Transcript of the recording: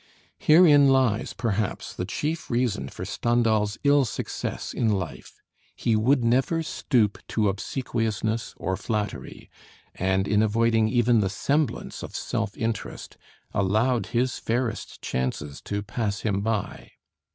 Herein lies, perhaps, the chief reason for Stendhal's ill success in life; he would never stoop to obsequiousness or flattery, and in avoiding even the semblance of self interest, allowed his fairest chances to pass him by.